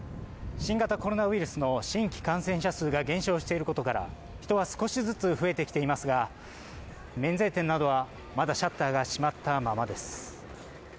新型コロナウイルスの新規感染者数が減少していることから、人は少しずつ増えてきていますが、免税店などはまだシャッターが閉まったままです。